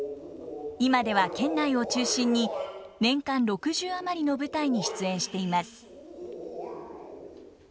今では県内を中心に年間６０余りの舞台に出演しています。